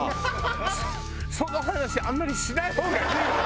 その話あんまりしない方がいいわよ。